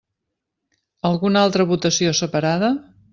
Alguna altra votació separada?